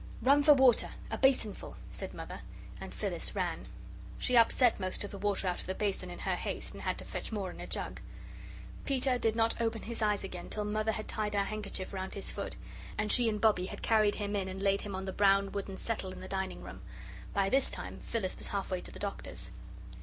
"Run for water a basinful," said Mother, and Phyllis ran. She upset most of the water out of the basin in her haste, and had to fetch more in a jug. Peter did not open his eyes again till Mother had tied her handkerchief round his foot, and she and Bobbie had carried him in and laid him on the brown wooden settle in the dining room. By this time Phyllis was halfway to the Doctor's.